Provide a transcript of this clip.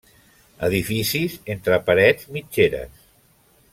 Edificis entre parets mitgeres.